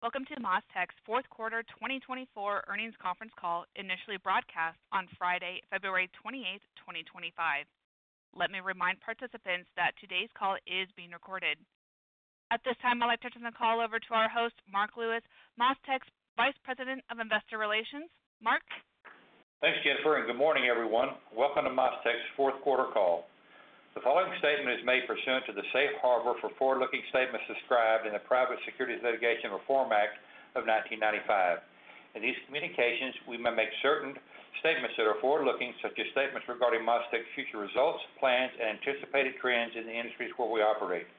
Welcome to MasTec's fourth quarter 2024 earnings conference call, initially broadcast on Friday, February 28th, 2025. Let me remind participants that today's call is being recorded. At this time, I'd like to turn the call over to our host, Marc Lewis, MasTec's Vice President of Investor Relations. Marc? Thanks, Jennifer, and good morning, everyone. Welcome to MasTec's fourth quarter call. The following statement is made pursuant to the safe harbor for forward-looking statements described in the Private Securities Litigation Reform Act of 1995. In these communications, we may make certain statements that are forward-looking, such as statements regarding MasTec's future results, plans, and anticipated trends in the industries where we operate.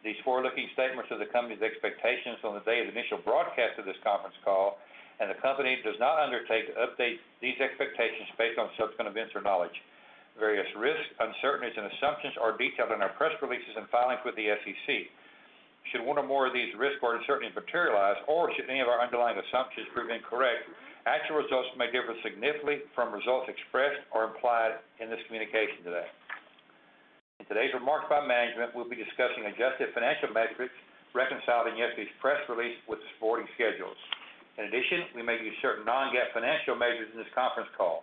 These forward-looking statements are the company's expectations on the day of the initial broadcast of this conference call, and the company does not undertake to update these expectations based on subsequent events or knowledge. Various risks, uncertainties, and assumptions are detailed in our press releases and filings with the SEC. Should one or more of these risks or uncertainties materialize, or should any of our underlying assumptions prove incorrect, actual results may differ significantly from results expressed or implied in this communication today. In today's remarks by management, we'll be discussing adjusted financial metrics reconciled in yesterday's press release with supporting schedules. In addition, we may use certain non-GAAP financial measures in this conference call.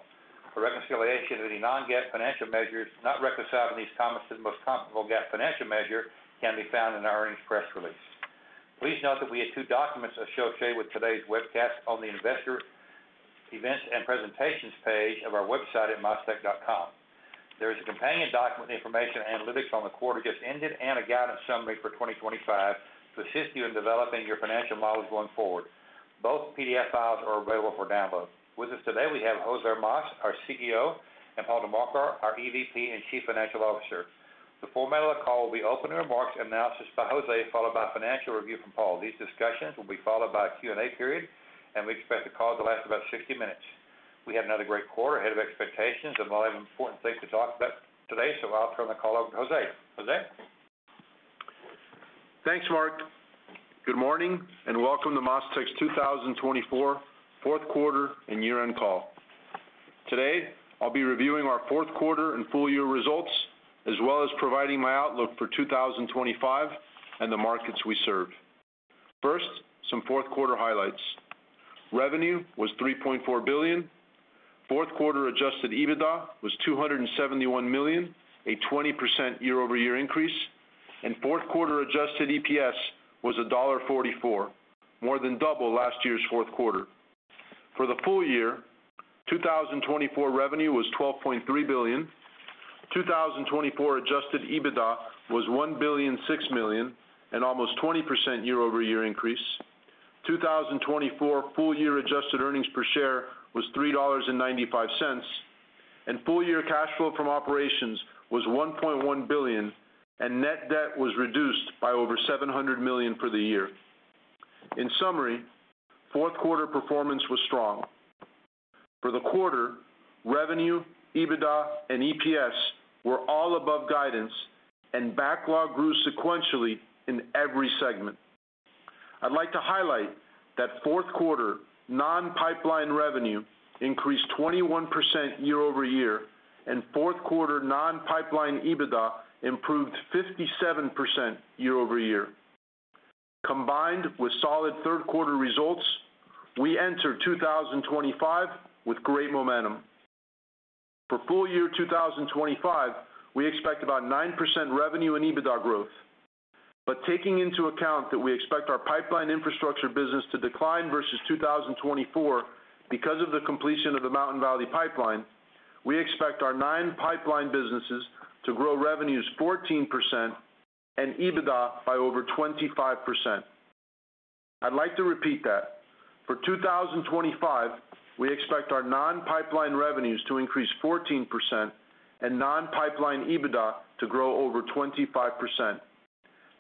A reconciliation of any non-GAAP financial measures not reconciled in these comments to the most comparable GAAP financial measure can be found in our earnings press release. Please note that we have two documents associated with today's webcast on the investor events and presentations page of our website at mastec.com. There is a companion document, information analytics on the quarter just ended, and a guidance summary for 2025 to assist you in developing your financial models going forward. Both PDF files are available for download. With us today, we have José Mas, our CEO, and Paul DiMarco, our EVP and Chief Financial Officer. The format of the call will be open remarks and analysis by José, followed by financial review from Paul. These discussions will be followed by a Q&A period, and we expect the call to last about 60 minutes. We have another great quarter ahead of expectations, and I'll have an important thing to talk about today, so I'll turn the call over to José. José? Thanks, Mark. Good morning and welcome to MasTec's 2024 fourth quarter and year-end call. Today, I'll be reviewing our fourth quarter and full year results, as well as providing my outlook for 2025 and the markets we serve. First, some fourth quarter highlights. Revenue was $3.4 billion. Fourth quarter adjusted EBITDA was $271 million, a 20% year-over-year increase, and fourth quarter adjusted EPS was $1.44, more than double last year's fourth quarter. For the full year, 2024 revenue was $12.3 billion. 2024 adjusted EBITDA was $1.06 billion, an almost 20% year-over-year increase. 2024 full year adjusted earnings per share was $3.95, and full year cash flow from operations was $1.1 billion, and net debt was reduced by over $700 million for the year. In summary, fourth quarter performance was strong. For the quarter, revenue, EBITDA, and EPS were all above guidance, and backlog grew sequentially in every segment. I'd like to highlight that fourth quarter non-pipeline revenue increased 21% year-over-year, and fourth quarter non-pipeline EBITDA improved 57% year-over-year. Combined with solid third quarter results, we enter 2025 with great momentum. For full year 2025, we expect about 9% revenue and EBITDA growth. But taking into account that we expect our pipeline infrastructure business to decline versus 2024 because of the completion of the Mountain Valley Pipeline, we expect our non-pipeline businesses to grow revenues 14% and EBITDA by over 25%. I'd like to repeat that. For 2025, we expect our non-pipeline revenues to increase 14% and non-pipeline EBITDA to grow over 25%.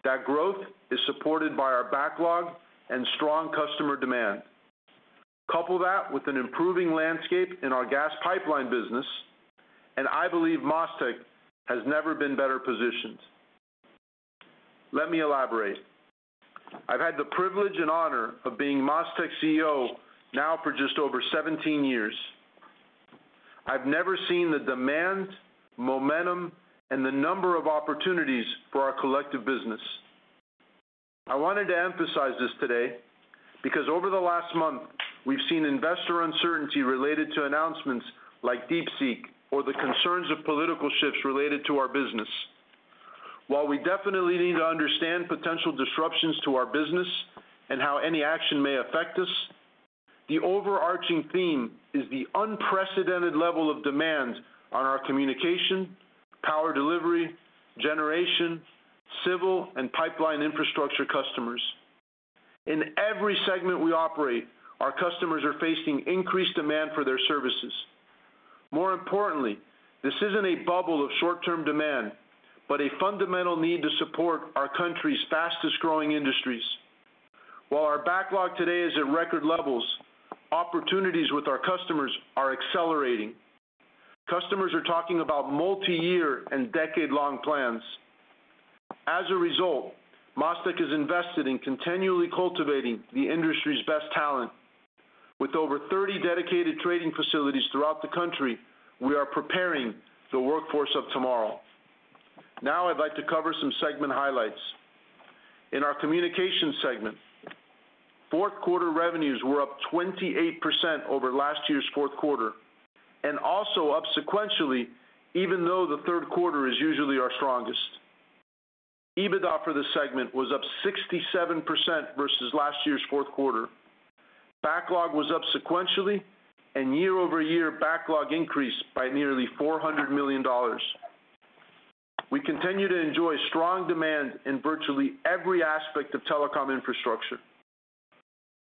That growth is supported by our backlog and strong customer demand. Couple that with an improving landscape in our gas pipeline business, and I believe MasTec has never been better positioned. Let me elaborate. I've had the privilege and honor of being MasTec CEO now for just over 17 years. I've never seen the demand, momentum, and the number of opportunities for our collective business. I wanted to emphasize this today because over the last month, we've seen investor uncertainty related to announcements like DeepSeek or the concerns of political shifts related to our business. While we definitely need to understand potential disruptions to our business and how any action may affect us, the overarching theme is the unprecedented level of demand on our Communication, Power Delivery, Generation, Civil, and Pipeline Infrastructure Customers. In every segment we operate, our customers are facing increased demand for their services. More importantly, this isn't a bubble of short-term demand, but a fundamental need to support our country's fastest growing industries. While our backlog today is at record levels, opportunities with our customers are accelerating. Customers are talking about multi-year and decade-long plans. As a result, MasTec has invested in continually cultivating the industry's best talent. With over 30 dedicated training facilities throughout the country, we are preparing the workforce of tomorrow. Now, I'd like to cover some segment highlights. In our Communications segment, fourth quarter revenues were up 28% over last year's fourth quarter, and also up sequentially, even though the third quarter is usually our strongest. EBITDA for the segment was up 67% versus last year's fourth quarter. Backlog was up sequentially, and year-over-year backlog increased by nearly $400 million. We continue to enjoy strong demand in virtually every aspect of telecom infrastructure.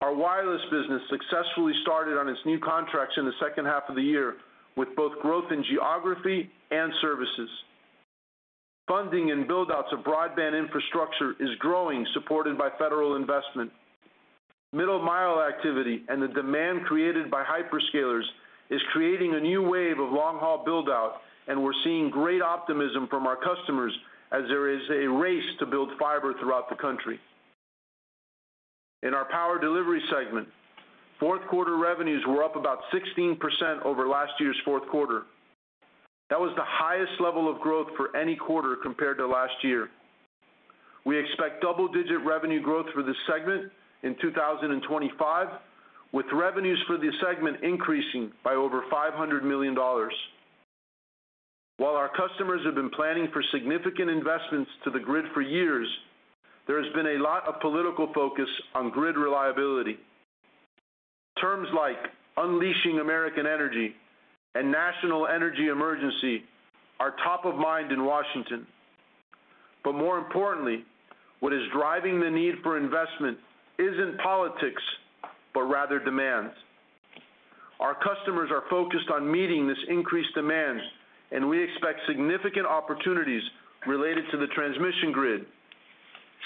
Our wireless business successfully started on its new contracts in the second half of the year, with both growth in geography and services. Funding and buildouts of broadband infrastructure is growing, supported by federal investment. Middle-mile activity and the demand created by hyperscalers is creating a new wave of long-haul buildout, and we're seeing great optimism from our customers as there is a race to build fiber throughout the country. In our Power Delivery segment, fourth quarter revenues were up about 16% over last year's fourth quarter. That was the highest level of growth for any quarter compared to last year. We expect double-digit revenue growth for this segment in 2025, with revenues for the segment increasing by over $500 million. While our customers have been planning for significant investments to the grid for years, there has been a lot of political focus on grid reliability. Terms like unleashing American energy and national energy emergency are top of mind in Washington. But more importantly, what is driving the need for investment isn't politics, but rather demand. Our customers are focused on meeting this increased demand, and we expect significant opportunities related to the transmission grid,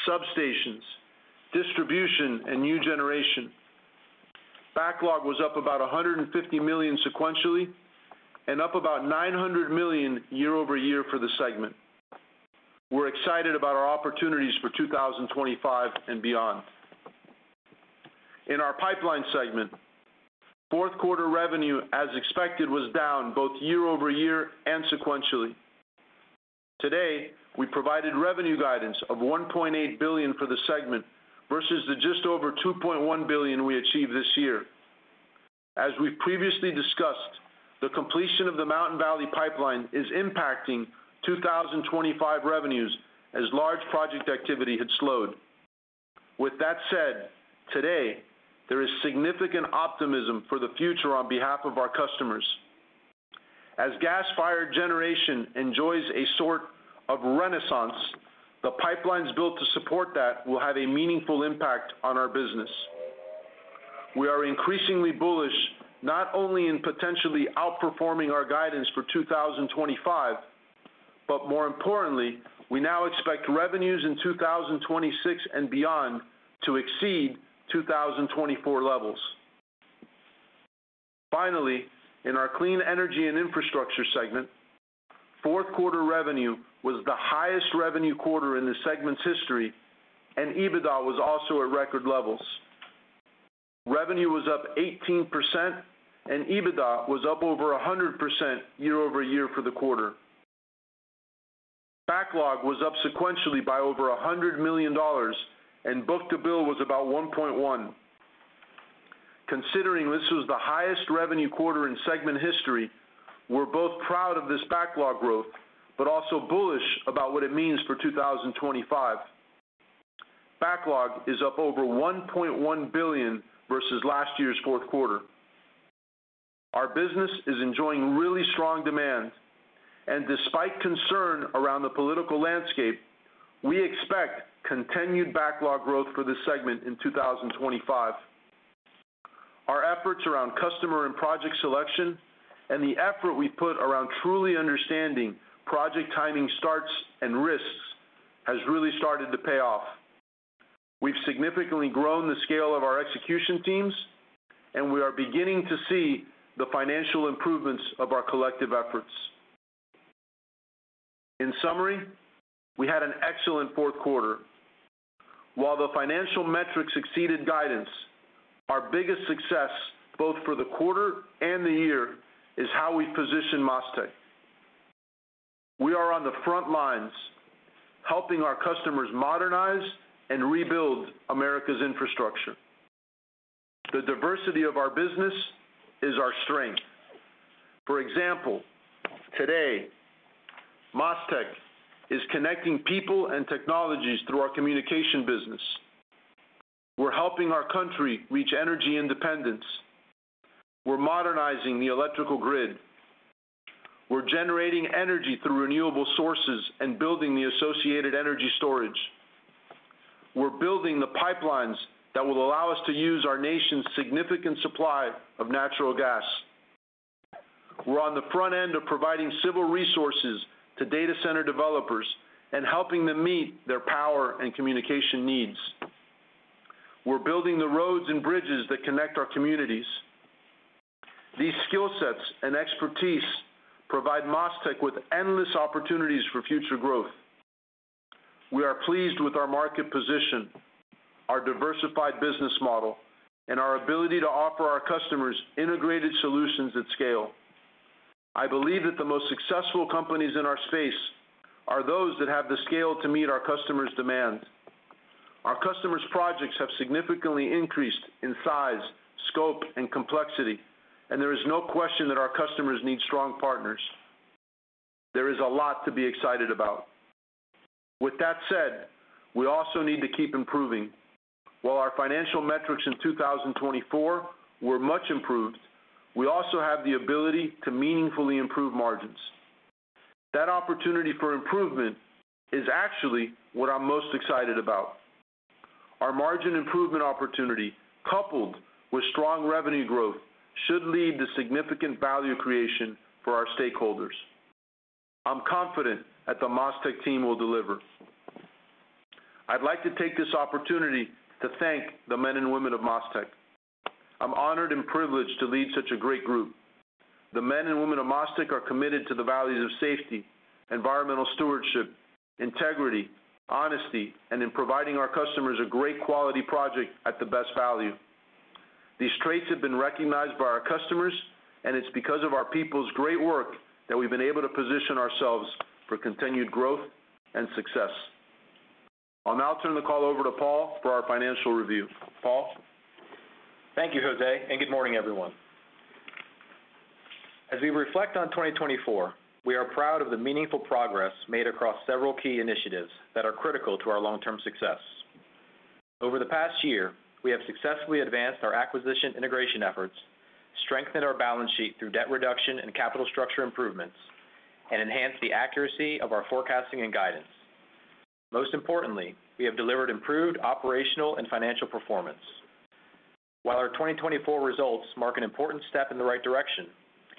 substations, distribution, and new generation. Backlog was up about $150 million sequentially and up about $900 million year-over-year for the segment. We're excited about our opportunities for 2025 and beyond. In our Pipeline segment, fourth quarter revenue, as expected, was down both year-over-year and sequentially. Today, we provided revenue guidance of $1.8 billion for the segment versus the just over $2.1 billion we achieved this year. As we've previously discussed, the completion of the Mountain Valley Pipeline is impacting 2025 revenues as large project activity had slowed. With that said, today, there is significant optimism for the future on behalf of our customers. As gas-fired generation enjoys a sort of renaissance, the pipelines built to support that will have a meaningful impact on our business. We are increasingly bullish not only in potentially outperforming our guidance for 2025, but more importantly, we now expect revenues in 2026 and beyond to exceed 2024 levels. Finally, in our Clean Energy and Infrastructure segment, fourth quarter revenue was the highest revenue quarter in the segment's history, and EBITDA was also at record levels. Revenue was up 18%, and EBITDA was up over 100% year-over-year for the quarter. Backlog was up sequentially by over $100 million, and Book to Bill was about $1.1 billion. Considering this was the highest revenue quarter in segment history, we're both proud of this backlog growth, but also bullish about what it means for 2025. Backlog is up over $1.1 billion versus last year's fourth quarter. Our business is enjoying really strong demand, and despite concern around the political landscape, we expect continued backlog growth for the segment in 2025. Our efforts around customer and project selection and the effort we've put around truly understanding project timing starts and risks has really started to pay off. We've significantly grown the scale of our execution teams, and we are beginning to see the financial improvements of our collective efforts. In summary, we had an excellent fourth quarter. While the financial metrics exceeded guidance, our biggest success, both for the quarter and the year, is how we position MasTec. We are on the front lines, helping our customers modernize and rebuild America's infrastructure. The diversity of our business is our strength. For example, today, MasTec is connecting people and technologies through our Communication business. We're helping our country reach energy independence. We're modernizing the electrical grid. We're generating energy through renewable sources and building the associated energy storage. We're building the pipelines that will allow us to use our nation's significant supply of natural gas. We're on the front end of providing civil resources to data center developers and helping them meet their power and communication needs. We're building the roads and bridges that connect our communities. These skill sets and expertise provide MasTec with endless opportunities for future growth. We are pleased with our market position, our diversified business model, and our ability to offer our customers integrated solutions at scale. I believe that the most successful companies in our space are those that have the scale to meet our customers' demand. Our customers' projects have significantly increased in size, scope, and complexity, and there is no question that our customers need strong partners. There is a lot to be excited about. With that said, we also need to keep improving. While our financial metrics in 2024 were much improved, we also have the ability to meaningfully improve margins. That opportunity for improvement is actually what I'm most excited about. Our margin improvement opportunity, coupled with strong revenue growth, should lead to significant value creation for our stakeholders. I'm confident that the MasTec team will deliver. I'd like to take this opportunity to thank the men and women of MasTec. I'm honored and privileged to lead such a great group. The men and women of MasTec are committed to the values of safety, environmental stewardship, integrity, honesty, and in providing our customers a great quality project at the best value. These traits have been recognized by our customers, and it's because of our people's great work that we've been able to position ourselves for continued growth and success. I'll now turn the call over to Paul for our financial review. Paul? Thank you, José, and good morning, everyone. As we reflect on 2024, we are proud of the meaningful progress made across several key initiatives that are critical to our long-term success. Over the past year, we have successfully advanced our acquisition integration efforts, strengthened our balance sheet through debt reduction and capital structure improvements, and enhanced the accuracy of our forecasting and guidance. Most importantly, we have delivered improved operational and financial performance. While our 2024 results mark an important step in the right direction,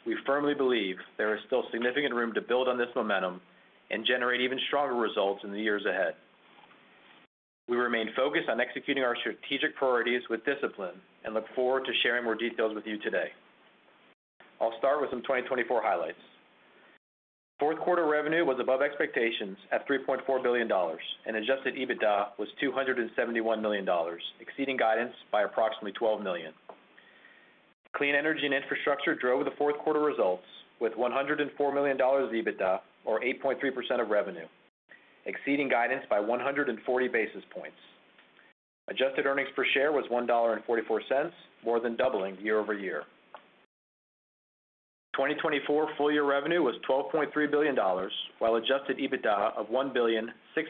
we firmly believe there is still significant room to build on this momentum and generate even stronger results in the years ahead. We remain focused on executing our strategic priorities with discipline and look forward to sharing more details with you today. I'll start with some 2024 highlights. Fourth quarter revenue was above expectations at $3.4 billion, and adjusted EBITDA was $271 million, exceeding guidance by approximately $12 million. Clean Energy and infrastructure drove the fourth quarter results with $104 million of EBITDA, or 8.3% of revenue, exceeding guidance by 140 basis points. Adjusted earnings per share was $1.44, more than doubling year-over-year. 2024 full-year revenue was $12.3 billion, while adjusted EBITDA of $1.6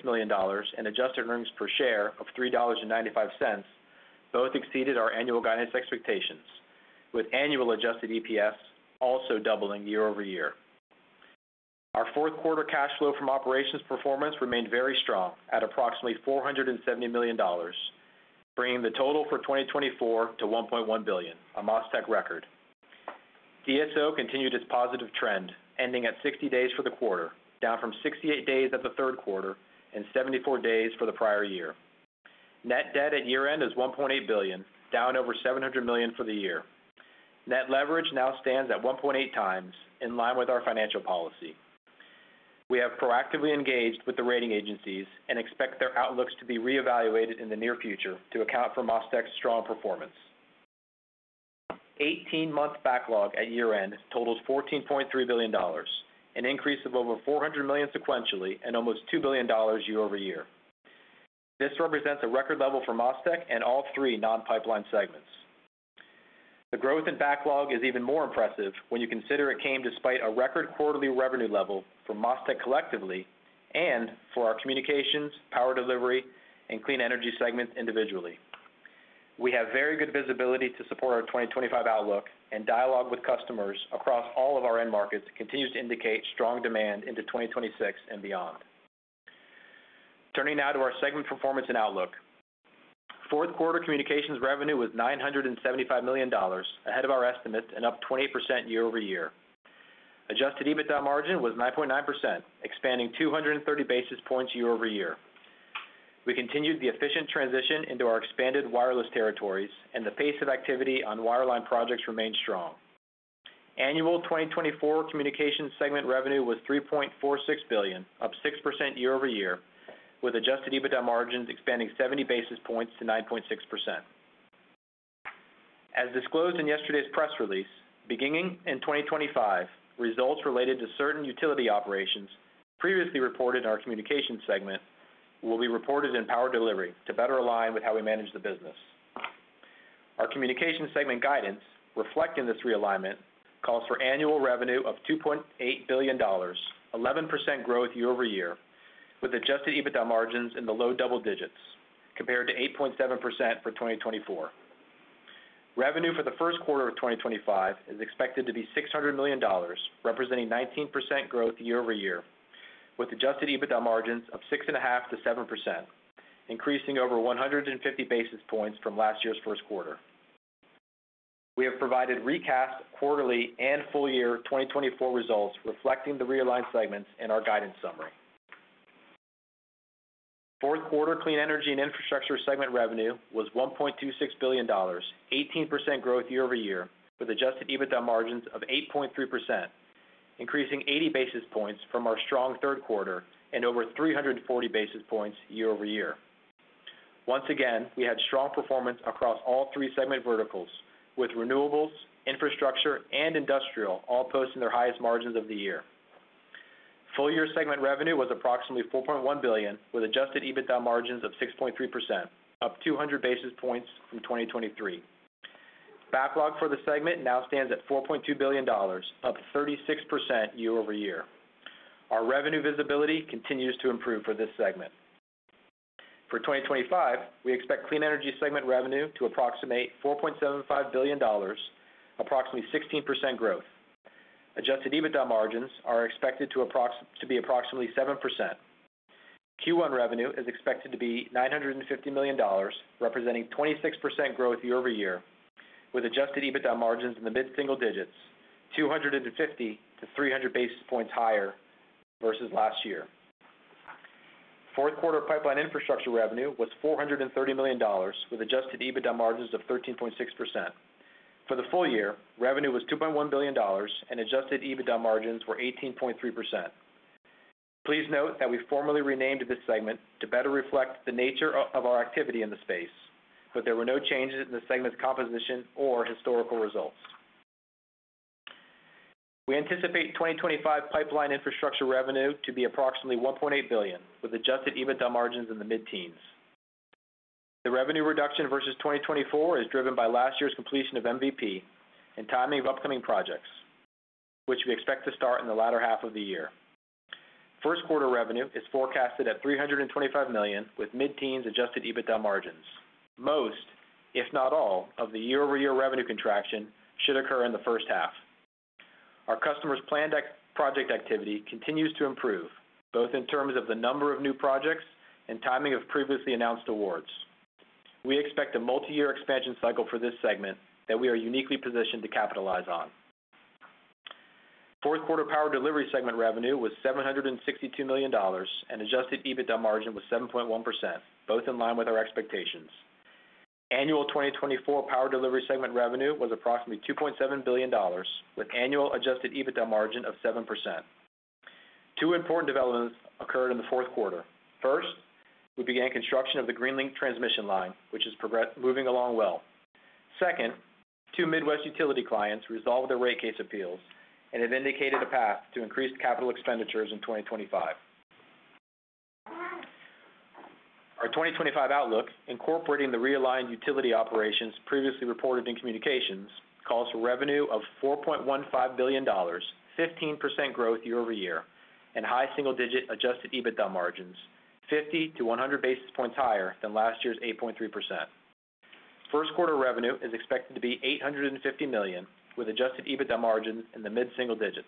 million and adjusted earnings per share of $3.95 both exceeded our annual guidance expectations, with annual adjusted EPS also doubling year-over-year. Our fourth quarter cash flow from operations performance remained very strong at approximately $470 million, bringing the total for 2024 to $1.1 billion, a MasTec record. DSO continued its positive trend, ending at 60 days for the quarter, down from 68 days at the third quarter and 74 days for the prior year. Net debt at year-end is $1.8 billion, down over $700 million for the year. Net leverage now stands at 1.8 times, in line with our financial policy. We have proactively engaged with the rating agencies and expect their outlooks to be reevaluated in the near future to account for MasTec's strong performance. 18-month backlog at year-end totals $14.3 billion, an increase of over $400 million sequentially and almost $2 billion year-over-year. This represents a record level for MasTec and all three non-Pipeline segments. The growth in backlog is even more impressive when you consider it came despite a record quarterly revenue level for MasTec collectively and for our Communications, Power Delivery, and Clean Energy segment individually. We have very good visibility to support our 2025 outlook, and dialogue with customers across all of our end markets continues to indicate strong demand into 2026 and beyond. Turning now to our segment performance and outlook. Fourth quarter Communications revenue was $975 million, ahead of our estimate and up 28% year-over-year. Adjusted EBITDA margin was 9.9%, expanding 230 basis points year-over-year. We continued the efficient transition into our expanded wireless territories, and the pace of activity on wireline projects remained strong. Annual 2024 Communications segment revenue was $3.46 billion, up 6% year-over-year, with adjusted EBITDA margins expanding 70 basis points to 9.6%. As disclosed in yesterday's press release, beginning in 2025, results related to certain utility operations previously reported in our Communications segment will be reported in Power Delivery to better align with how we manage the business. Our Communications segment guidance, reflecting this realignment, calls for annual revenue of $2.8 billion, 11% growth year-over-year, with adjusted EBITDA margins in the low double digits, compared to 8.7% for 2024. Revenue for the first quarter of 2025 is expected to be $600 million, representing 19% growth year-over-year, with adjusted EBITDA margins of 6.5%-7%, increasing over 150 basis points from last year's first quarter. We have provided recast quarterly and full-year 2024 results reflecting the realigned segments in our guidance summary. Fourth quarter Clean Energy and Infrastructure segment revenue was $1.26 billion, 18% growth year-over-year, with adjusted EBITDA margins of 8.3%, increasing 80 basis points from our strong third quarter and over 340 basis points year-over-year. Once again, we had strong performance across all three segment verticals, with renewables, infrastructure, and industrial all posting their highest margins of the year. Full-year segment revenue was approximately $4.1 billion, with adjusted EBITDA margins of 6.3%, up 200 basis points from 2023. Backlog for the segment now stands at $4.2 billion, up 36% year-over-year. Our revenue visibility continues to improve for this segment. For 2025, we expect Clean Energy segment revenue to approximate $4.75 billion, approximately 16% growth. Adjusted EBITDA margins are expected to be approximately 7%. Q1 revenue is expected to be $950 million, representing 26% growth year-over-year, with adjusted EBITDA margins in the mid-single digits, 250 to 300 basis points higher versus last year. Fourth quarter pipeline infrastructure revenue was $430 million, with adjusted EBITDA margins of 13.6%. For the full year, revenue was $2.1 billion, and adjusted EBITDA margins were 18.3%. Please note that we formally renamed this segment to better reflect the nature of our activity in the space, but there were no changes in the segment's composition or historical results. We anticipate 2025 pipeline infrastructure revenue to be approximately $1.8 billion, with adjusted EBITDA margins in the mid-teens. The revenue reduction versus 2024 is driven by last year's completion of MVP and timing of upcoming projects, which we expect to start in the latter half of the year. First quarter revenue is forecasted at $325 million, with mid-teens adjusted EBITDA margins. Most, if not all, of the year-over-year revenue contraction should occur in the first half. Our customers' planned project activity continues to improve, both in terms of the number of new projects and timing of previously announced awards. We expect a multi-year expansion cycle for this segment that we are uniquely positioned to capitalize on. Fourth quarter Power Delivery segment revenue was $762 million, and adjusted EBITDA margin was 7.1%, both in line with our expectations. Annual 2024 Power Delivery segment revenue was approximately $2.7 billion, with annual adjusted EBITDA margin of 7%. Two important developments occurred in the fourth quarter. First, we began construction of the Greenlink transmission line, which is moving along well. Second, two Midwest utility clients resolved their rate case appeals and have indicated a path to increased capital expenditures in 2025. Our 2025 outlook, incorporating the realigned utility operations previously reported in communications, calls for revenue of $4.15 billion, 15% growth year-over-year, and high single-digit adjusted EBITDA margins, 50 to 100 basis points higher than last year's 8.3%. First quarter revenue is expected to be $850 million, with adjusted EBITDA margins in the mid-single digits.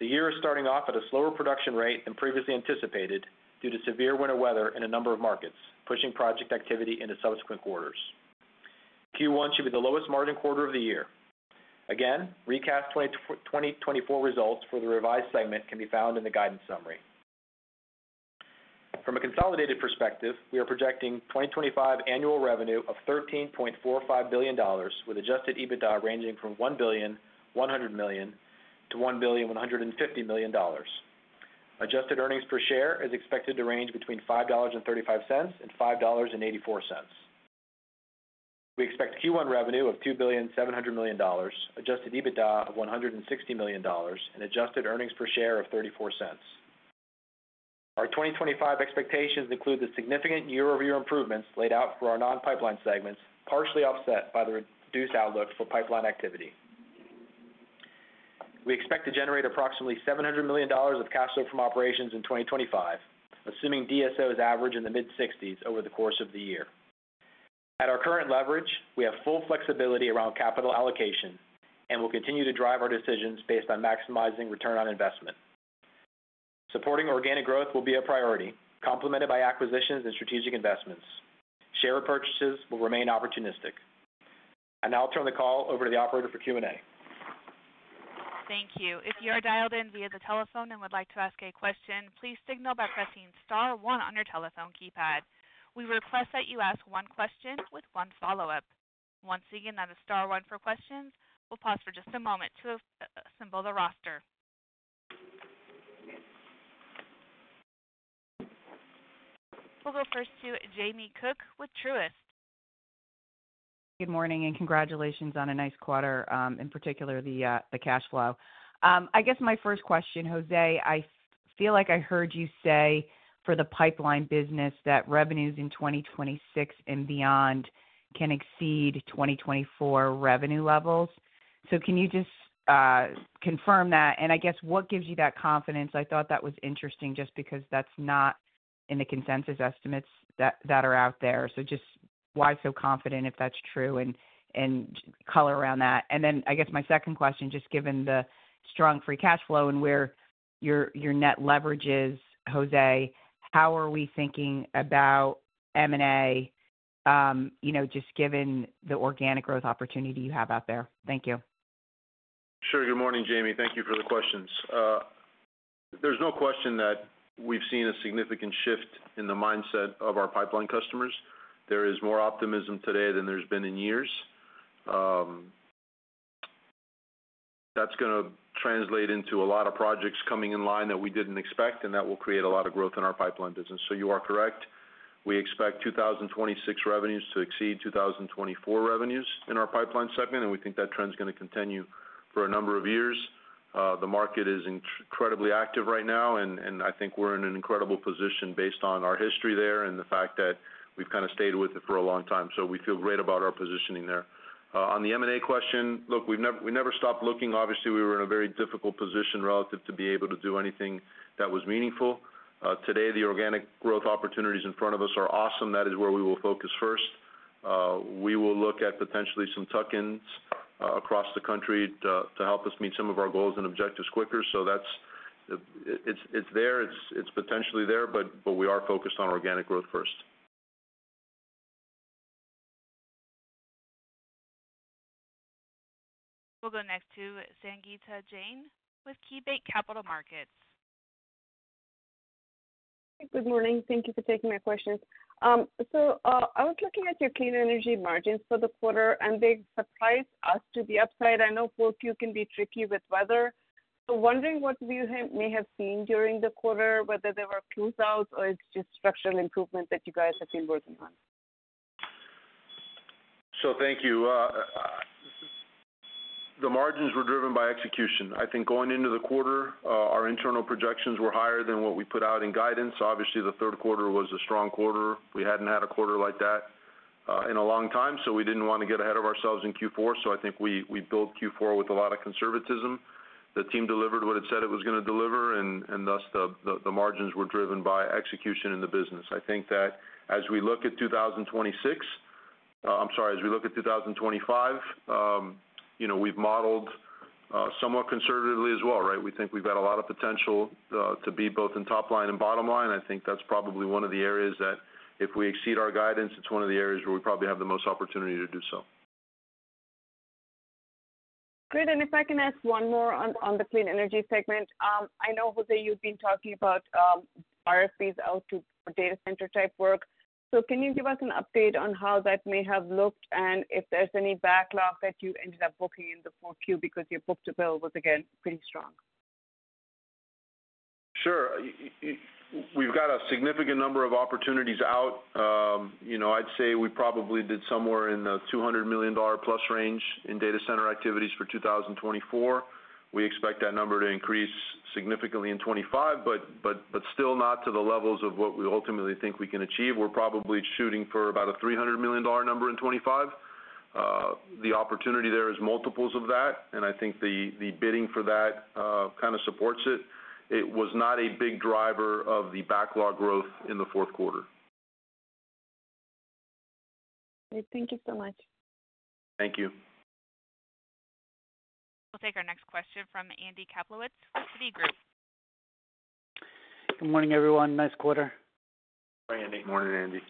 The year is starting off at a slower production rate than previously anticipated due to severe winter weather in a number of markets, pushing project activity into subsequent quarters. Q1 should be the lowest margin quarter of the year. Again, recast 2024 results for the revised segment can be found in the guidance summary. From a consolidated perspective, we are projecting 2025 annual revenue of $13.45 billion, with adjusted EBITDA ranging from $1.1 billion-$1.15 billion. Adjusted earnings per share is expected to range between $5.35 and $5.84. We expect Q1 revenue of $2.7 billion, adjusted EBITDA of $160 million, and adjusted earnings per share of $0.34. Our 2025 expectations include the significant year-over-year improvements laid out for our non-Pipeline segments, partially offset by the reduced outlook for pipeline activity. We expect to generate approximately $700 million of cash flow from operations in 2025, assuming DSO's average in the mid-60s over the course of the year. At our current leverage, we have full flexibility around capital allocation and will continue to drive our decisions based on maximizing return on investment. Supporting organic growth will be a priority, complemented by acquisitions and strategic investments. Share purchases will remain opportunistic. I now turn the call over to the operator for Q&A. Thank you. If you are dialed in via the telephone and would like to ask a question, please signal by pressing star one on your telephone keypad. We request that you ask one question with one follow-up. Once again, that is Star 1 for questions. We'll pause for just a moment to assemble the roster. We'll go first to Jamie Cook with Truist. Good morning and congratulations on a nice quarter, in particular the cash flow. I guess my first question, José, I feel like I heard you say for the pipeline business that revenues in 2026 and beyond can exceed 2024 revenue levels. So can you just confirm that? And I guess what gives you that confidence? I thought that was interesting just because that's not in the consensus estimates that are out there. So, just why so confident if that's true and color around that? And then, I guess, my second question, just given the strong free cash flow and where your net leverage is, José, how are we thinking about M&A just given the organic growth opportunity you have out there? Thank you. Sure. Good morning, Jamie. Thank you for the questions. There's no question that we've seen a significant shift in the mindset of our pipeline customers. There is more optimism today than there's been in years. That's going to translate into a lot of projects coming in line that we didn't expect, and that will create a lot of growth in our pipeline business. So, you are correct. We expect 2026 revenues to exceed 2024 revenues in our Pipeline segment, and we think that trend is going to continue for a number of years. The market is incredibly active right now, and I think we're in an incredible position based on our history there and the fact that we've kind of stayed with it for a long time. So we feel great about our positioning there. On the M&A question, look, we never stopped looking. Obviously, we were in a very difficult position relative to be able to do anything that was meaningful. Today, the organic growth opportunities in front of us are awesome. That is where we will focus first. We will look at potentially some tuck-ins across the country to help us meet some of our goals and objectives quicker. So it's there. It's potentially there, but we are focused on organic growth first. We'll go next to Sangita Jain with KeyBanc Capital Markets. Good morning. Thank you for taking my questions. So I was looking at your Clean Energy margins for the quarter, and they surprised us to the upside. I know Q4 can be tricky with weather. So, wondering what we may have seen during the quarter, whether there were closeouts or it's just structural improvement that you guys have been working on. So thank you. The margins were driven by execution. I think going into the quarter, our internal projections were higher than what we put out in guidance. Obviously, the third quarter was a strong quarter. We hadn't had a quarter like that in a long time, so we didn't want to get ahead of ourselves in Q4. So I think we built Q4 with a lot of conservatism. The team delivered what it said it was going to deliver, and thus the margins were driven by execution in the business. I think that as we look at 2026, I'm sorry, as we look at 2025, we've modeled somewhat conservatively as well, right? We think we've got a lot of potential to be both in top line and bottom line. I think that's probably one of the areas that if we exceed our guidance, it's one of the areas where we probably have the most opportunity to do so. Good. And if I can ask one more on the Clean Energy segment, I know, José, you've been talking about RFPs out to data center type work. So can you give us an update on how that may have looked and if there's any backlog that you ended up booking in the fourth Q because your book to bill was, again, pretty strong? Sure. We've got a significant number of opportunities out. I'd say we probably did somewhere in the $200 million plus range in data center activities for 2024. We expect that number to increase significantly in 2025, but still not to the levels of what we ultimately think we can achieve. We're probably shooting for about a $300 million number in 2025. The opportunity there is multiples of that, and I think the bidding for that kind of supports it. It was not a big driver of the backlog growth in the fourth quarter. Great. Thank you so much. Thank you. We'll take our next question from Andy Kaplowitz with Citigroup. Good morning, everyone. Nice quarter. Morning, Andy. Morning, Andy.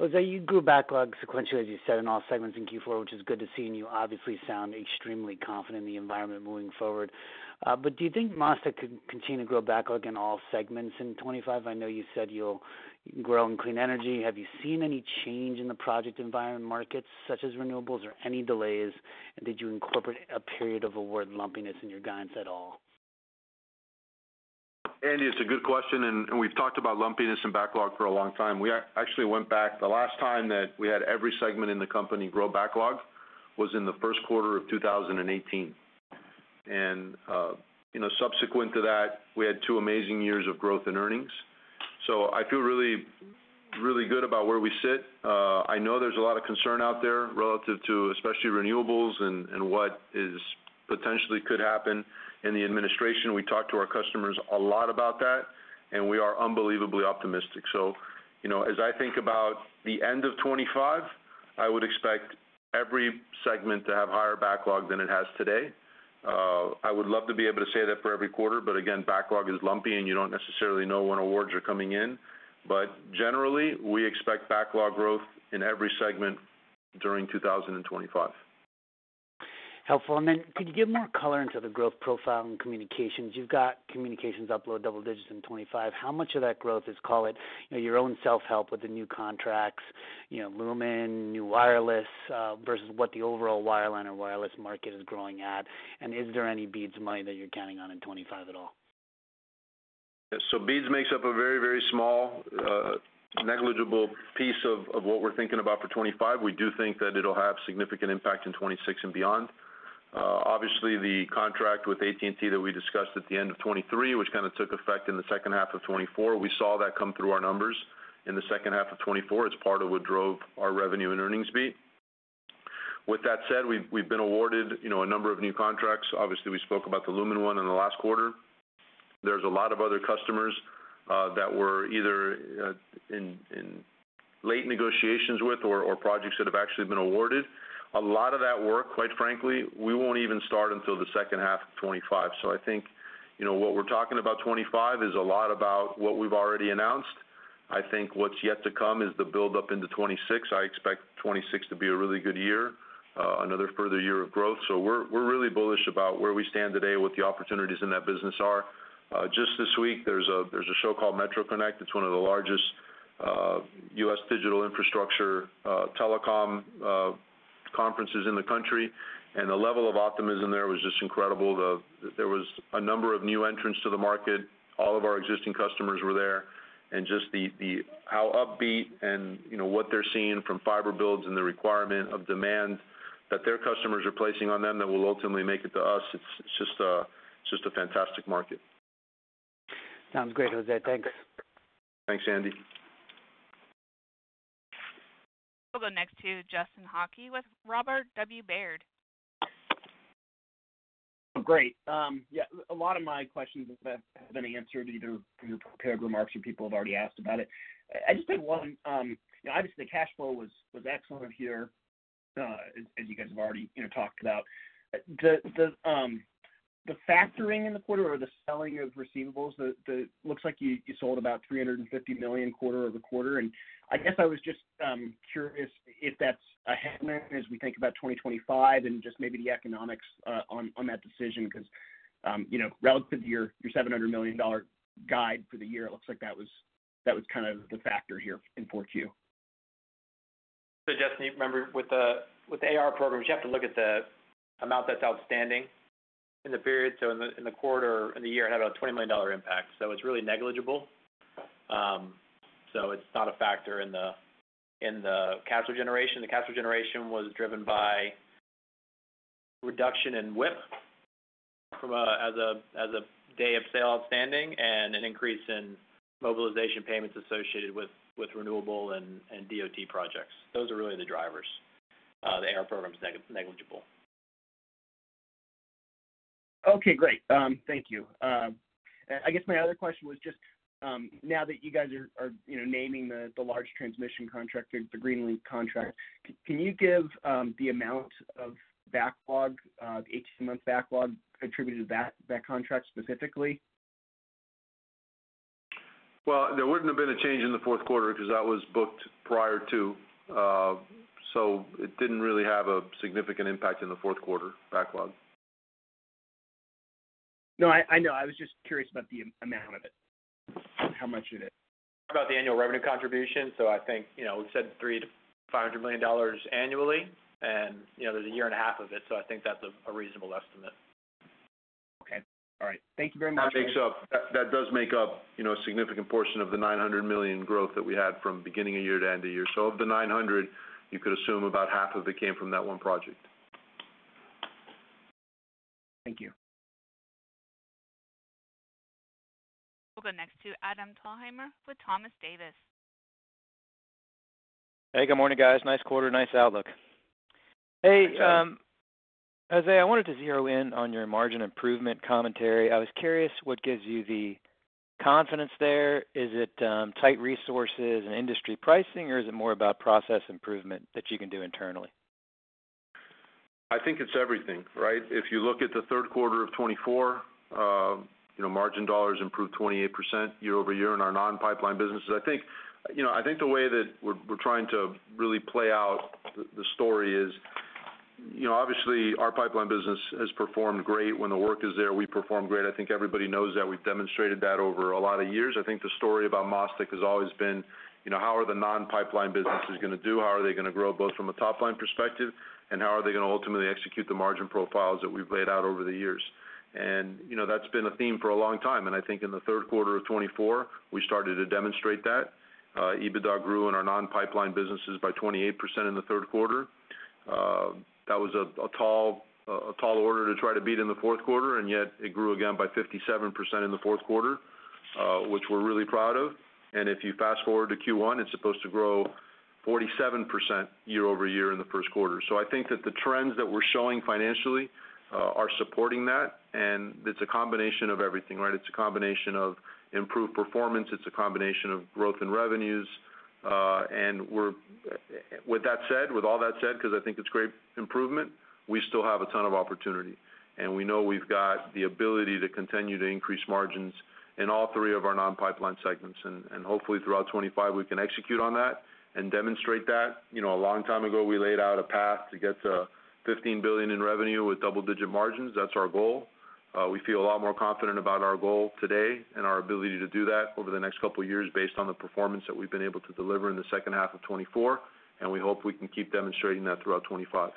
José, you grew backlog sequentially, as you said, in all segments in Q4, which is good to see. And you obviously sound extremely confident in the environment moving forward. But do you think MasTec could continue to grow backlog in all segments in 2025? I know you said you'll grow in Clean Energy. Have you seen any change in the project environment markets such as renewables or any delays? And did you incorporate a period of award lumpiness in your guidance at all? Andy, it's a good question. And we've talked about lumpiness and backlog for a long time. We actually went back. The last time that we had every segment in the company grow backlog was in the first quarter of 2018. And subsequent to that, we had two amazing years of growth in earnings. So I feel really, really good about where we sit. I know there's a lot of concern out there relative to especially renewables and what potentially could happen in the administration. We talk to our customers a lot about that, and we are unbelievably optimistic. So as I think about the end of 2025, I would expect every segment to have higher backlog than it has today. I would love to be able to say that for every quarter, but again, backlog is lumpy, and you don't necessarily know when awards are coming in. But generally, we expect backlog growth in every segment during 2025. Helpful. And then could you give more color into the Growth Profile and Communications? You've got Communications up below double digits in 2025. How much of that growth is, call it, your own self-help with the new contracts, Lumen, new wireless versus what the overall wireline or wireless market is growing at? And is there any BEAD money that you're counting on in 2025 at all? So BEADs makes up a very, very small negligible piece of what we're thinking about for 2025. We do think that it'll have significant impact in 2026 and beyond. Obviously, the contract with AT&T that we discussed at the end of 2023, which kind of took effect in the second half of 2024, we saw that come through our numbers in the second half of 2024 as part of what drove our revenue and earnings beat. With that said, we've been awarded a number of new contracts. Obviously, we spoke about the Lumen one in the last quarter. There's a lot of other customers that we're either in late negotiations with or projects that have actually been awarded. A lot of that work, quite frankly, we won't even start until the second half of 2025. So I think what we're talking about 2025 is a lot about what we've already announced. I think what's yet to come is the build-up into 2026. I expect 2026 to be a really good year, another further year of growth. So we're really bullish about where we stand today with the opportunities in that business are. Just this week, there's a show called MetroConnect. It's one of the largest U.S. digital infrastructure telecom conferences in the country. And the level of optimism there was just incredible. There was a number of new entrants to the market. All of our existing customers were there. And just how upbeat and what they're seeing from fiber builds and the requirement of demand that their customers are placing on them that will ultimately make it to us, it's just a fantastic market. Sounds great, José. Thanks. Thanks, Andy. We'll go next to Justin Hauke with Robert W. Baird. Great. Yeah. A lot of my questions have been answered either through prepared remarks or people have already asked about it. I just have one. Obviously, the cash flow was excellent here, as you guys have already talked about. The factoring in the quarter or the selling of receivables, it looks like you sold about $350 million quarter over quarter. And I guess I was just curious if that's a headline as we think about 2025 and just maybe the economics on that decision because relative to your $700 million guide for the year, it looks like that was kind of the factor here in fourth Q. So Justin, you remember with the A/R programs, you have to look at the amount that's outstanding in the period. So in the quarter or in the year, it had a $20 million impact. So it's really negligible. So it's not a factor in the cash flow generation. The cash flow generation was driven by reduction in WIP and days sales outstanding and an increase in mobilization payments associated with renewable and DOT projects. Those are really the drivers. The A/R program's negligible. Okay. Great. Thank you. I guess my other question was just now that you guys are naming the large transmission contractor, the Greenlink contract, can you give the amount of backlog, 18-month backlog attributed to that contract specifically? Well, there wouldn't have been a change in the fourth quarter because that was booked prior to. So it didn't really have a significant impact in the fourth quarter backlog. No, I know. I was just curious about the amount of it, how much it is. Talk about the annual revenue contribution. So I think we said $300 million-$500 million annually, and there's a year and a half of it. So I think that's a reasonable estimate. Okay. All right. Thank you very much. That makes up that does make up a significant portion of the $900 million growth that we had from beginning of year to end of year. So of the $900 million, you could assume about half of it came from that one project. Thank you. We'll go next to Adam Thalhimer with Thompson Davis & Co. Hey, good morning, guys. Nice quarter, nice outlook. Hey, José, I wanted to zero in on your margin improvement commentary. I was curious what gives you the confidence there. Is it tight resources and industry pricing, or is it more about process improvement that you can do internally? I think it's everything, right? If you look at the third quarter of 2024, margin dollars improved 28% year-over-year in our non-pipeline businesses. I think the way that we're trying to really play out the story is, obviously, our pipeline business has performed great. When the work is there, we perform great. I think everybody knows that. We've demonstrated that over a lot of years. I think the story about MasTec has always been, how are the non-pipeline businesses going to do? How are they going to grow both from a top-line perspective and how are they going to ultimately execute the margin profiles that we've laid out over the years? And that's been a theme for a long time. And I think in the third quarter of 2024, we started to demonstrate that. EBITDA grew in our non-pipeline businesses by 28% in the third quarter. That was a tall order to try to beat in the fourth quarter, and yet it grew again by 57% in the fourth quarter, which we're really proud of. And if you fast forward to Q1, it's supposed to grow 47% year-over-year in the first quarter. So I think that the trends that we're showing financially are supporting that. And it's a combination of everything, right? It's a combination of improved performance. It's a combination of growth in revenues. And with that said, with all that said, because I think it's great improvement, we still have a ton of opportunity. And we know we've got the ability to continue to increase margins in all three of our non-Pipeline segments. And hopefully, throughout 2025, we can execute on that and demonstrate that. A long time ago, we laid out a path to get to $15 billion in revenue with double-digit margins. That's our goal. We feel a lot more confident about our goal today and our ability to do that over the next couple of years based on the performance that we've been able to deliver in the second half of 2024. And we hope we can keep demonstrating that throughout 2025.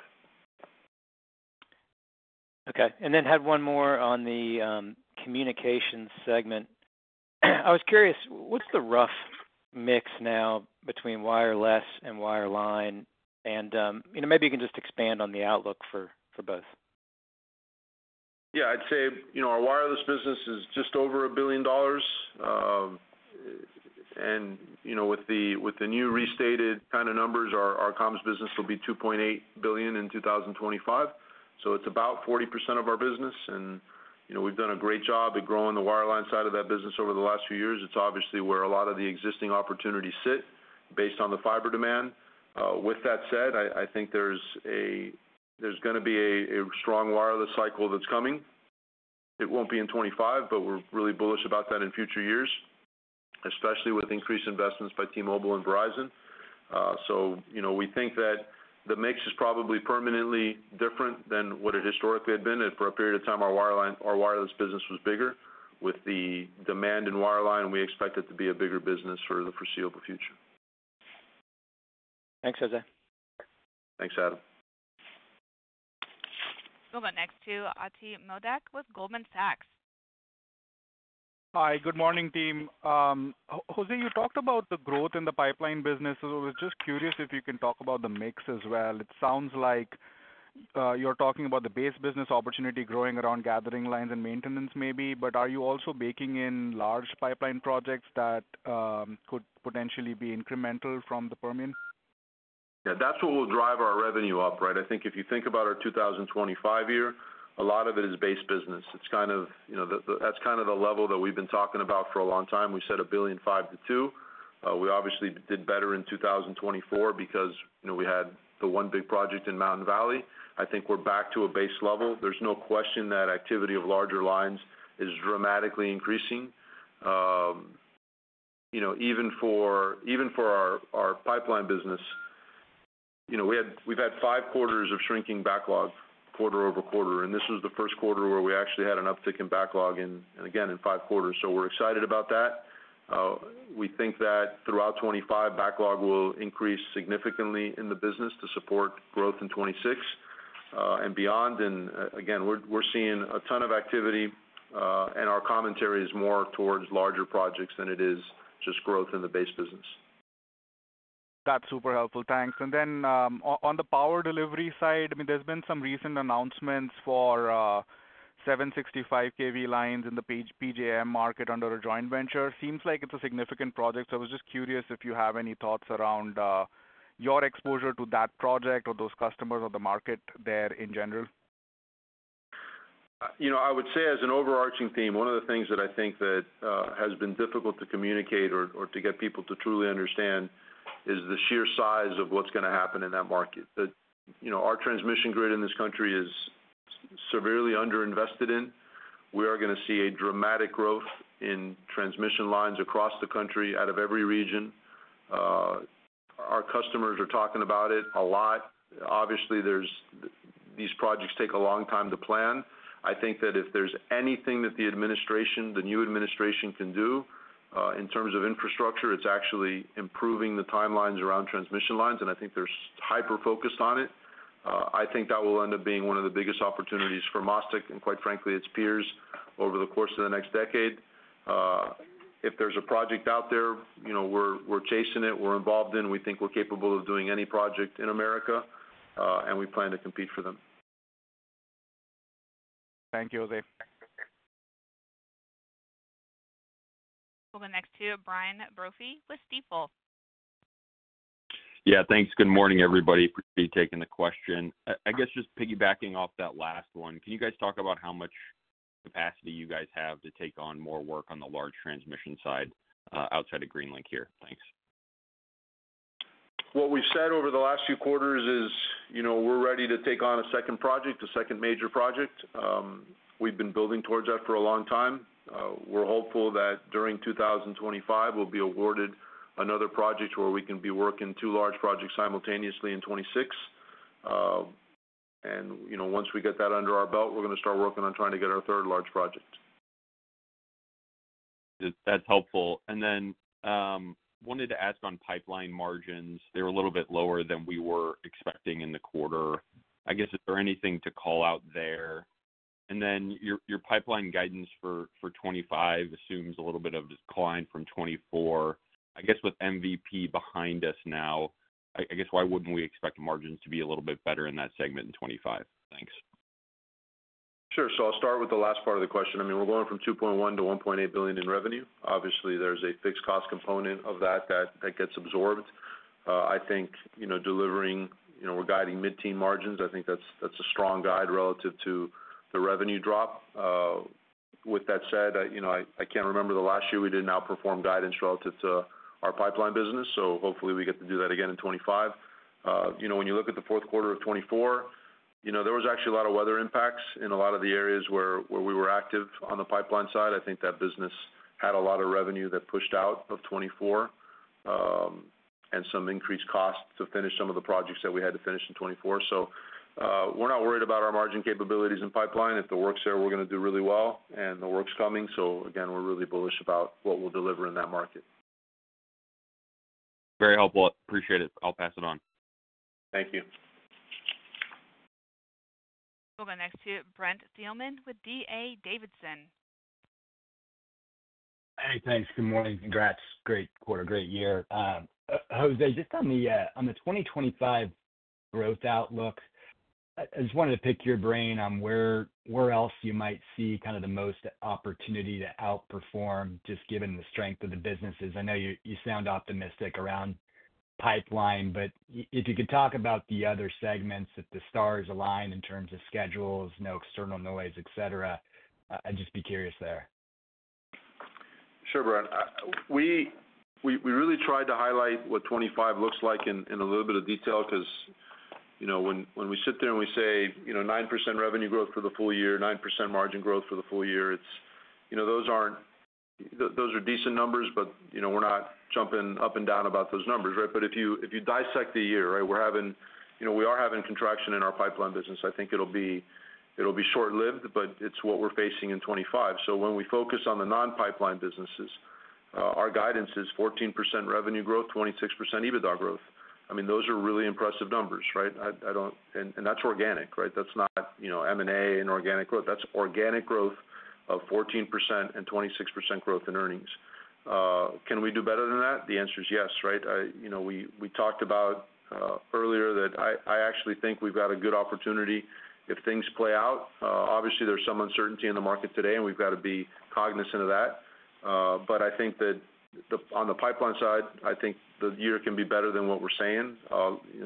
Okay. And then had one more on the Communications segment. I was curious, what's the rough mix now between wireless and wireline? And maybe you can just expand on the outlook for both. Yeah. I'd say our wireless business is just over a billion dollars. And with the new restated kind of numbers, our comms business will be $2.8 billion in 2025. So it's about 40% of our business. And we've done a great job at growing the wireline side of that business over the last few years. It's obviously where a lot of the existing opportunities sit based on the fiber demand. With that said, I think there's going to be a strong wireless cycle that's coming. It won't be in 2025, but we're really bullish about that in future years, especially with increased investments by T-Mobile and Verizon. So we think that the mix is probably permanently different than what it historically had been for a period of time, our wireless business was bigger. With the demand in wireline, we expect it to be a bigger business for the foreseeable future. Thanks, José. Thanks, Adam. We'll go next to Ati Modak with Goldman Sachs. Hi. Good morning, team. José, you talked about the growth in the pipeline businesses. I was just curious if you can talk about the mix as well. It sounds like you're talking about the base business opportunity growing around gathering lines and maintenance maybe. But are you also baking in large pipeline projects that could potentially be incremental from the Permian? Yeah. That's what will drive our revenue up, right? I think if you think about our 2025 year, a lot of it is base business. It's kind of that's kind of the level that we've been talking about for a long time. We said $1.5 billion-$2 billion. We obviously did better in 2024 because we had the one big project in Mountain Valley. I think we're back to a base level. There's no question that activity of larger lines is dramatically increasing. Even for our pipeline business, we've had five quarters of shrinking backlog quarter-over-quarter. This was the first quarter where we actually had an uptick in backlog, and again, in five quarters. We're excited about that. We think that throughout 2025, backlog will increase significantly in the business to support growth in 2026 and beyond. We're seeing a ton of activity. Our commentary is more towards larger projects than it is just growth in the base business. That's super helpful. Thanks. On the Power Delivery side, I mean, there's been some recent announcements for 765 kV lines in the PJM market under a joint venture. Seems like it's a significant project. I was just curious if you have any thoughts around your exposure to that project or those customers or the market there in general. I would say as an overarching theme, one of the things that I think that has been difficult to communicate or to get people to truly understand is the sheer size of what's going to happen in that market. Our transmission grid in this country is severely underinvested in. We are going to see a dramatic growth in transmission lines across the country out of every region. Our customers are talking about it a lot. Obviously, these projects take a long time to plan. I think that if there's anything that the administration, the new administration can do in terms of infrastructure, it's actually improving the timelines around transmission lines. And I think they're hyper-focused on it. I think that will end up being one of the biggest opportunities for MasTec and, quite frankly, its peers over the course of the next decade. If there's a project out there, we're chasing it. We're involved in. We think we're capable of doing any project in America. And we plan to compete for them. Thank you, José. We'll go next to Brian Brophy with Stifel. Yeah. Thanks. Good morning, everybody. Appreciate you taking the question. I guess just piggybacking off that last one, can you guys talk about how much capacity you guys have to take on more work on the large transmission side outside of Greenlink here? Thanks. What we've said over the last few quarters is we're ready to take on a second project, a second major project. We've been building towards that for a long time. We're hopeful that during 2025, we'll be awarded another project where we can be working two large projects simultaneously in 2026. Once we get that under our belt, we're going to start working on trying to get our third large project. That's helpful. Then I wanted to ask on pipeline margins. They were a little bit lower than we were expecting in the quarter. I guess is there anything to call out there? Then your pipeline guidance for 2025 assumes a little bit of a decline from 2024. I guess with MVP behind us now, I guess why wouldn't we expect margins to be a little bit better in that segment in 2025? Thanks. Sure. I'll start with the last part of the question. I mean, we're going from $2.1 billion to $1.8 billion in revenue. Obviously, there's a fixed cost component of that that gets absorbed. I think delivering or guiding mid-teens margins, I think that's a strong guide relative to the revenue drop. With that said, I can't remember the last year we did an outperform guidance relative to our pipeline business. So hopefully, we get to do that again in 2025. When you look at the fourth quarter of 2024, there was actually a lot of weather impacts in a lot of the areas where we were active on the pipeline side. I think that business had a lot of revenue that pushed out of 2024 and some increased costs to finish some of the projects that we had to finish in 2024. So we're not worried about our margin capabilities in pipeline. If the work's there, we're going to do really well. And the work's coming. So again, we're really bullish about what we'll deliver in that market. Very helpful. Appreciate it. I'll pass it on. Thank you. We'll go next to Brent Thielman with D.A. Davidson. Hey, thanks. Good morning. Congrats. Great quarter. Great year. José, just on the 2025 growth outlook, I just wanted to pick your brain on where else you might see kind of the most opportunity to outperform just given the strength of the businesses. I know you sound optimistic around the pipeline, but if you could talk about the other segments that the stars align in terms of schedules, no external noise, etc. I'd just be curious there. Sure, Brent. We really tried to highlight what 2025 looks like in a little bit of detail because when we sit there and we say 9% revenue growth for the full year, 9% margin growth for the full year, those are decent numbers, but we're not jumping up and down about those numbers, right? But if you dissect the year, right, we are having contraction in our pipeline business. I think it'll be short-lived, but it's what we're facing in 2025. So when we focus on the non-pipeline businesses, our guidance is 14% revenue growth, 26% EBITDA growth. I mean, those are really impressive numbers, right? And that's organic, right? That's not M&A and organic growth. That's organic growth of 14% and 26% growth in earnings. Can we do better than that? The answer is yes, right? We talked about earlier that I actually think we've got a good opportunity if things play out. Obviously, there's some uncertainty in the market today, and we've got to be cognizant of that. But I think that on the pipeline side, I think the year can be better than what we're saying.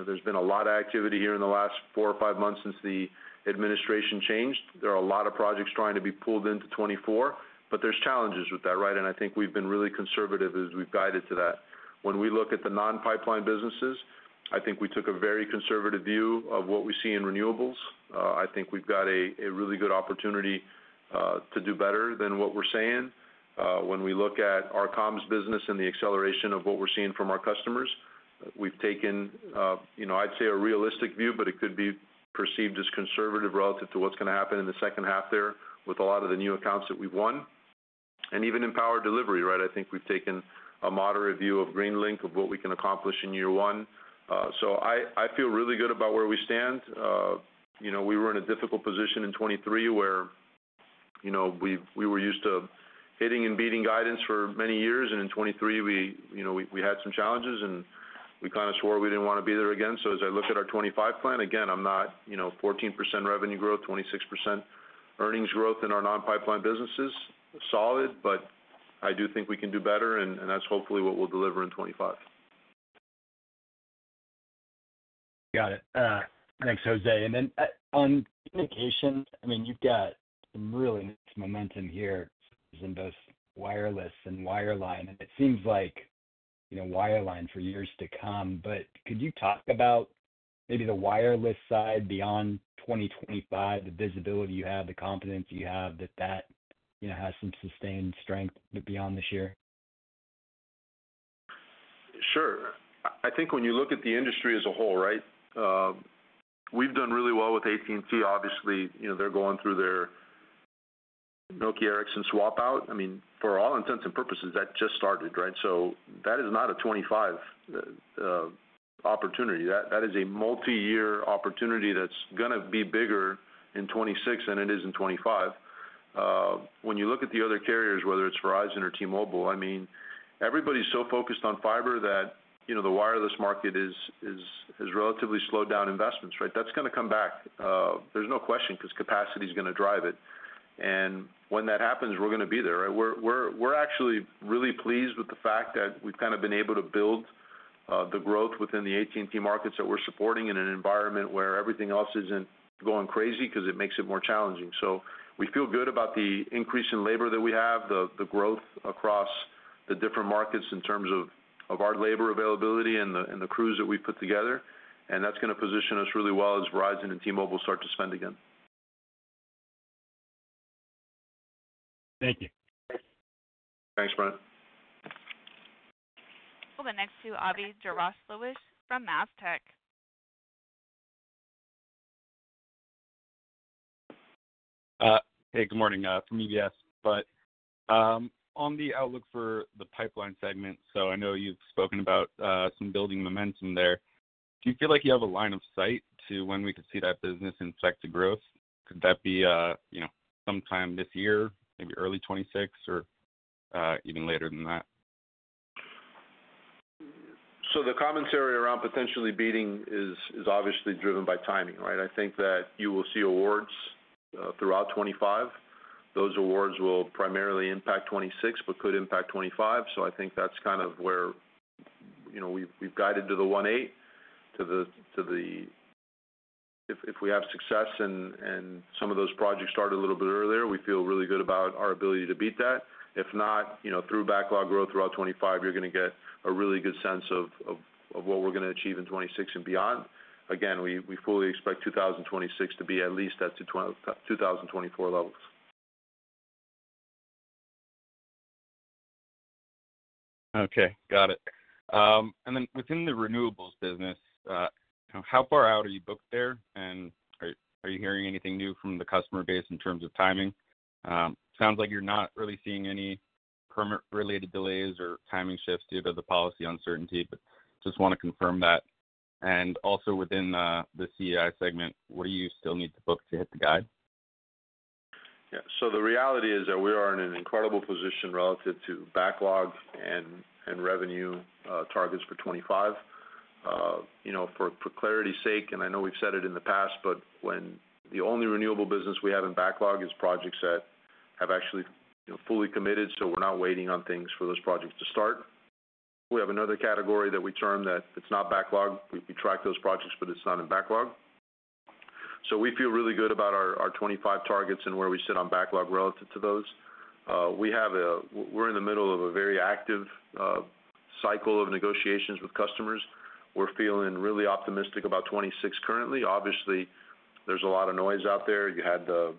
There's been a lot of activity here in the last four or five months since the administration changed. There are a lot of projects trying to be pulled into 2024, but there's challenges with that, right? And I think we've been really conservative as we've guided to that. When we look at the non-pipeline businesses, I think we took a very conservative view of what we see in renewables. I think we've got a really good opportunity to do better than what we're saying. When we look at our comms business and the acceleration of what we're seeing from our customers, we've taken, I'd say, a realistic view, but it could be perceived as conservative relative to what's going to happen in the second half there with a lot of the new accounts that we've won. And even in Power Delivery, right, I think we've taken a moderate view of Greenlink of what we can accomplish in year one. So I feel really good about where we stand. We were in a difficult position in 2023 where we were used to hitting and beating guidance for many years, and in 2023, we had some challenges, and we kind of swore we didn't want to be there again, so as I look at our 2025 plan, again, I'm not 14% revenue growth, 26% earnings growth in our non-pipeline businesses. Solid, but I do think we can do better, and that's hopefully what we'll deliver in 2025. Got it. Thanks, José, and then on Communication, I mean, you've got some really nice momentum here in both wireless and wireline, and it seems like wireline for years to come, but could you talk about maybe the wireless side beyond 2025, the visibility you have, the confidence you have that that has some sustained strength beyond this year? Sure. I think when you look at the industry as a whole, right, we've done really well with AT&T. Obviously, they're going through their Nokia Ericsson swap out. I mean, for all intents and purposes, that just started, right? So that is not a 2025 opportunity. That is a multi-year opportunity that's going to be bigger in 2026 than it is in 2025. When you look at the other carriers, whether it's Verizon or T-Mobile, I mean, everybody's so focused on fiber that the wireless market has relatively slowed down investments, right? That's going to come back. There's no question because capacity is going to drive it. And when that happens, we're going to be there, right? We're actually really pleased with the fact that we've kind of been able to build the growth within the AT&T markets that we're supporting in an environment where everything else isn't going crazy because it makes it more challenging. So we feel good about the increase in labor that we have, the growth across the different markets in terms of our labor availability and the crews that we've put together. And that's going to position us really well as Verizon and T-Mobile start to spend again. Thank you. Thanks, Brent. We'll go next to Avi Jaroslawicz from MasTec. Hey, good morning. From UBS. But on the outlook for the Pipeline segment, so I know you've spoken about some building momentum there. Do you feel like you have a line of sight to when we could see that business inflect to growth? Could that be sometime this year, maybe early 2026, or even later than that? So the commentary around potentially beating is obviously driven by timing, right? I think that you will see awards throughout 2025. Those awards will primarily impact 2026 but could impact 2025. So I think that's kind of where we've guided to the 1.8 to the if we have success and some of those projects start a little bit earlier, we feel really good about our ability to beat that. If not, through backlog growth throughout 2025, you're going to get a really good sense of what we're going to achieve in 2026 and beyond. Again, we fully expect 2026 to be at least at the 2024 levels. Okay. Got it. And then within the renewables business, how far out are you booked there? Are you hearing anything new from the customer base in terms of timing? Sounds like you're not really seeing any permit-related delays or timing shifts due to the policy uncertainty, but just want to confirm that. And also within the CEI segment, what do you still need to book to hit the guide? Yeah. So the reality is that we are in an incredible position relative to backlog and revenue targets for 2025. For clarity's sake, and I know we've said it in the past, but when the only renewable business we have in backlog is projects that have actually fully committed, so we're not waiting on things for those projects to start. We have another category that we term that it's not backlog. We track those projects, but it's not in backlog. So we feel really good about our 2025 targets and where we sit on backlog relative to those. We're in the middle of a very active cycle of negotiations with customers. We're feeling really optimistic about 2026 currently. Obviously, there's a lot of noise out there. You had the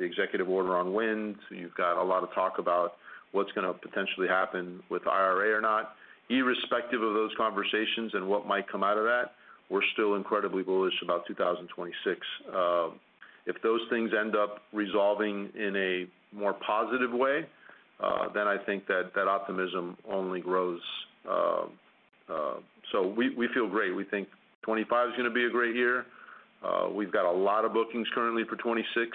executive order on wind. You've got a lot of talk about what's going to potentially happen with IRA or not. Irrespective of those conversations and what might come out of that, we're still incredibly bullish about 2026. If those things end up resolving in a more positive way, then I think that that optimism only grows. So we feel great. We think 2025 is going to be a great year. We've got a lot of bookings currently for 2026.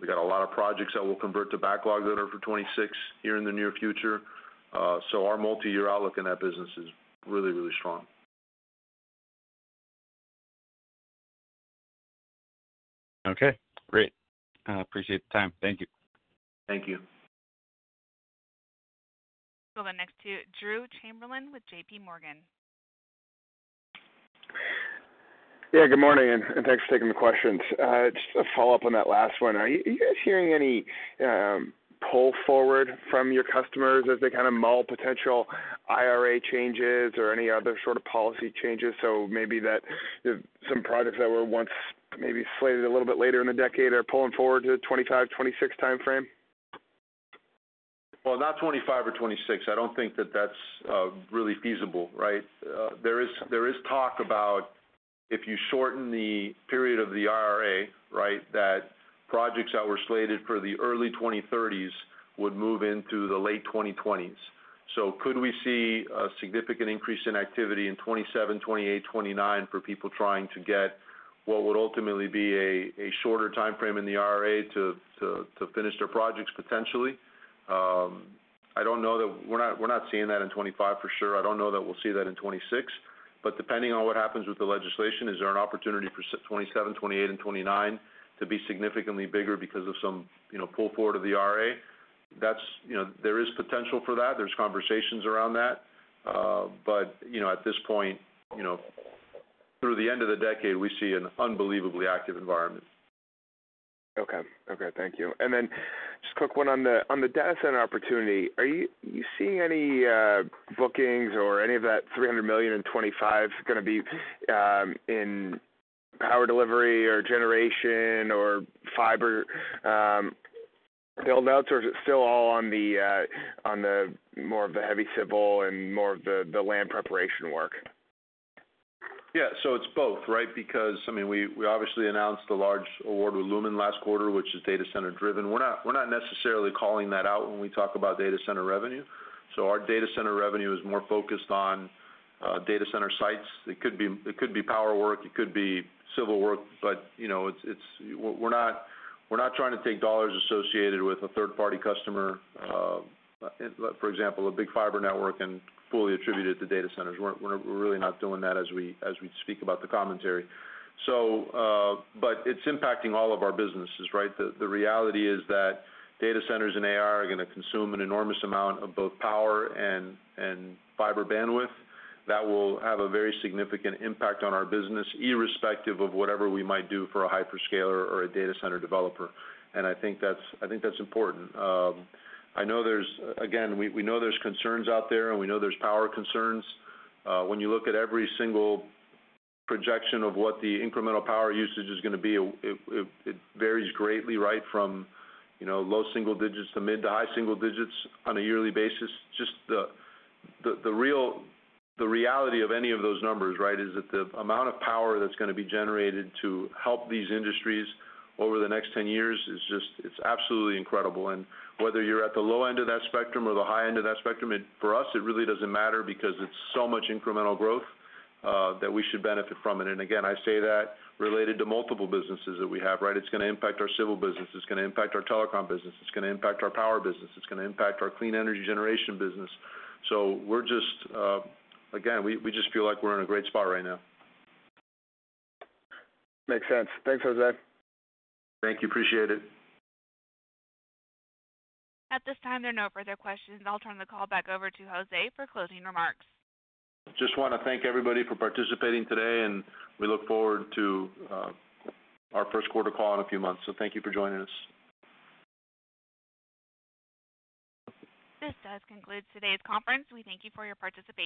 We've got a lot of projects that will convert to backlog that are for 2026 here in the near future. So our multi-year outlook in that business is really, really strong. Okay. Great. Appreciate the time. Thank you. Thank you. We'll go next to Drew Chamberlain with J.P. Morgan. Yeah. Good morning. And thanks for taking the questions. Just a follow-up on that last one. Are you guys hearing any pull forward from your customers as they kind of mull potential IRA changes or any other sort of policy changes? So maybe that some projects that were once maybe slated a little bit later in the decade are pulling forward to the 2025, 2026 timeframe? Well, not 2025 or 2026. I don't think that that's really feasible, right? There is talk about if you shorten the period of the IRA, right, that projects that were slated for the early 2030s would move into the late 2020s. So could we see a significant increase in activity in 2027, 2028, 2029 for people trying to get what would ultimately be a shorter timeframe in the IRA to finish their projects potentially? I don't know that we're not seeing that in 2025 for sure. I don't know that we'll see that in 2026. But depending on what happens with the legislation, is there an opportunity for 2027, 2028, and 2029 to be significantly bigger because of some pull forward of the IRA? There is potential for that. There's conversations around that. But at this point, through the end of the decade, we see an unbelievably active environment. Okay. Okay. Thank you. And then just a quick one on the data center opportunity. Are you seeing any bookings or any of that $300 million in 2025 going to be in Power Delivery or generation or fiber build-outs, or is it still all on the more of the heavy civil and more of the land preparation work? Yeah, so it's both, right? Because, I mean, we obviously announced the large award with Lumen last quarter, which is data center-driven. We're not necessarily calling that out when we talk about data center revenue. So our data center revenue is more focused on data center sites. It could be power work. It could be civil work. But we're not trying to take dollars associated with a third-party customer, for example, a big fiber network, and fully attribute it to data centers. We're really not doing that as we speak about the commentary, but it's impacting all of our businesses, right? The reality is that data centers and AI are going to consume an enormous amount of both power and fiber bandwidth. That will have a very significant impact on our business, irrespective of whatever we might do for a hyperscaler or a data center developer. And I think that's important. I know there's, again, we know there's concerns out there, and we know there's power concerns. When you look at every single projection of what the incremental power usage is going to be, it varies greatly, right, from low single digits to mid to high single digits on a yearly basis. Just the reality of any of those numbers, right, is that the amount of power that's going to be generated to help these industries over the next 10 years is absolutely incredible. And whether you're at the low end of that spectrum or the high end of that spectrum, for us, it really doesn't matter because it's so much incremental growth that we should benefit from it. And again, I say that related to multiple businesses that we have, right? It's going to impact our Civil business. It's going to impact our Telecom business. It's going to impact our Power business. It's going to impact our Clean Energy Generation business. So we're just, again, we just feel like we're in a great spot right now. Makes sense. Thanks, José. Thank you. Appreciate it. At this time, there are no further questions. I'll turn the call back over to José for closing remarks. Just want to thank everybody for participating today, and we look forward to our first quarter call in a few months. So thank you for joining us. This does conclude today's conference. We thank you for your participation.